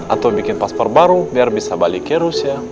atau bikin paspor baru biar bisa balik ke rusia